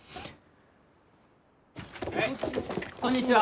こんにちは！